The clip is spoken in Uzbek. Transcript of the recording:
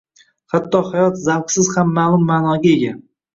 Hatto hayot zavqsiz ham ma'lum ma'noga ega.